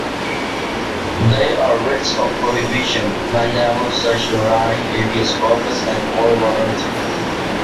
They are the writs of prohibition, "mandamus", "certiorari", "habeas corpus" and "quo warranto".